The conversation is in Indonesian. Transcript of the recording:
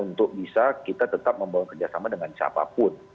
untuk bisa kita tetap membangun kerjasama dengan siapapun